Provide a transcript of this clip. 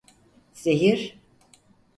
Zehir…